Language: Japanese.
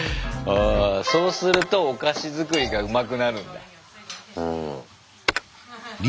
そうするとお菓子作りがうまくなるんだ。